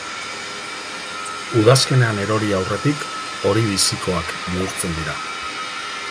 Udazkenean erori aurretik hori bizikoak bihurtzen dira.